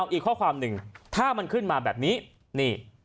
อีกข้อความหนึ่งถ้ามันขึ้นมาแบบนี้นี่